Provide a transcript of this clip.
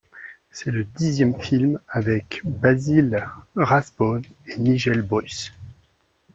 C'est le dixième film avec Basil Rathbone et Nigel Bruce.